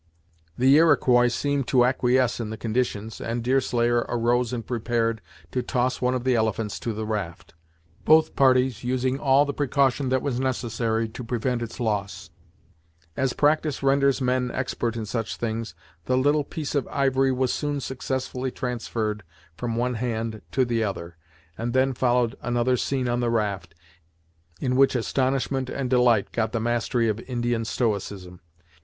The Iroquois seemed to acquiesce in the conditions, and Deerslayer arose and prepared to toss one of the elephants to the raft, both parties using all the precaution that was necessary to prevent its loss. As practice renders men expert in such things, the little piece of ivory was soon successfully transferred from one hand to the other, and then followed another scene on the raft, in which astonishment and delight got the mastery of Indian stoicism.